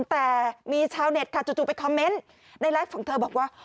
แต่มีชาวเน็ตค่ะจู่ไปคอมเมนต์ในไลฟ์ของเธอบอกว่า